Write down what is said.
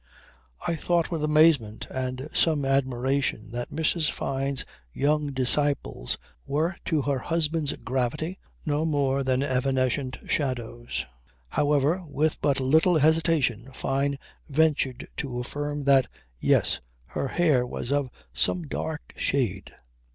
I thought with amazement and some admiration that Mrs. Fyne's young disciples were to her husband's gravity no more than evanescent shadows. However, with but little hesitation Fyne ventured to affirm that yes, her hair was of some dark shade.